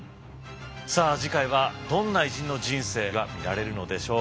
さあ次回はどんな偉人の人生が見られるのでしょうか。